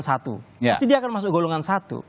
pasti dia akan masuk golongan satu